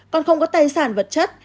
còn không có tài sản vật chất